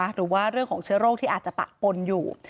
หรือว่าเรื่องของเชื้อโรคที่อาจจะปะปนอยู่